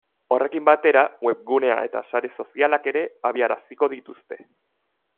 Horrekin batera webgunea eta sare sozialak ere abiaraziko dituzte.